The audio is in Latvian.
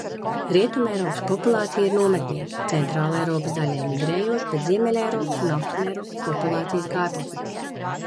Rietumeiropas populācija ir nometnieki, Centrāleiropas daļēji migrējoši, bet Ziemeļeiropas un Austrumeiropas populācijas gājputni.